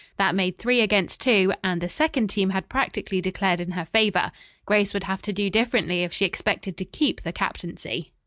That made three against two, and the second team had practically declared in her favor. Grace would have to do differently if she expected to keep the captaincy.